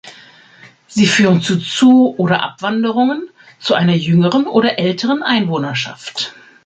Sie führen zu Zu- oder Abwanderungen, zu einer jüngeren oder älteren Einwohnerschaft.